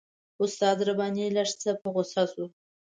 استاد رباني لږ څه په غوسه شو.